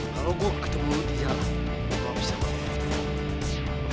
kalau gue ketemu lu di jalan gue bisa membunuh lu